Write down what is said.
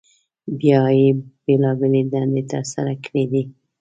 بیا یې بېلابېلې دندې تر سره کړي دي.